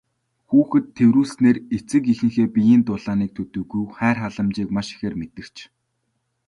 Хүүхэд тэврүүлснээр эцэг эхийнхээ биеийн дулааныг төдийгүй хайр халамжийг маш ихээр мэдэрч тайвширдаг.